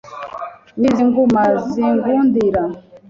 Nizi nguma zingundira